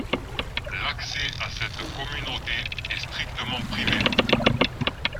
L'accès à cette communauté est strictement privé.